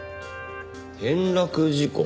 転落事故？